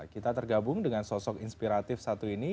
kita tergabung dengan sosok inspiratif satu ini